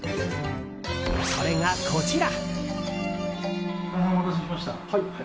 それが、こちら！